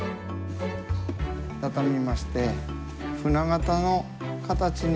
たたみましてふな形の形に。